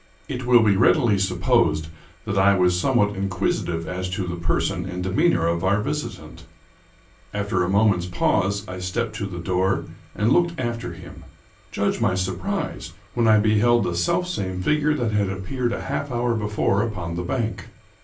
It will be readily supposed that I was somewhat inquisi tive as to the person and demeanor of our visitant. After a moment's pause, I stepped to the door and looked after him. Judge my surprise when I beheld the selfsame figure 225 American Mystery Stories that had appeared a half hour before upon the bank.